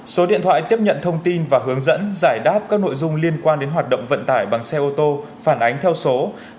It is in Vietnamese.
số điện thoại tiếp nhận thông tin và hướng dẫn giải đáp các nội dung liên quan đến hoạt động vận tải bằng xe ô tô phản ánh theo số tám trăm tám mươi sáu một mươi sáu sáu trăm bốn mươi